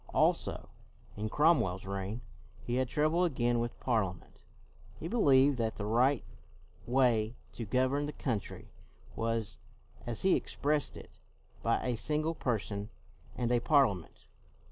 Also, in Cromwell's reign, he had trou ble again with Parliament. He believed that the right way to govern the country was, as he expressed it, by a Single Person and a Parliament.